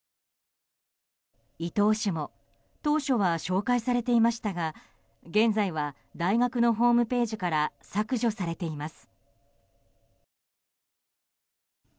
伊東氏も当初は紹介されていましたが現在は大学のホームページから削除されています。